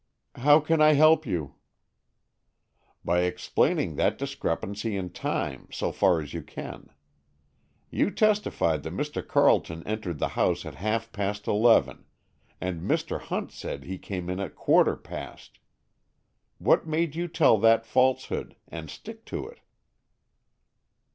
"How can I help you?" "By explaining that discrepancy in time, so far as you can. You testified that Mr. Carleton entered the house at half past eleven, and Mr. Hunt said he came in at quarter past. What made you tell that falsehood, and stick to it?"